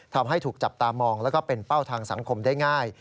ทำให้ถูกจับตามองแล้วก็เป็นเป้าทางสังคมได้ง่าย